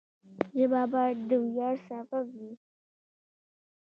ژبه باید د ویاړ سبب وي.